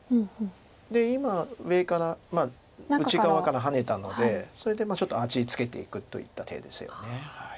で今上から内側からハネたのでそれでちょっと味付けていくといった手ですよね。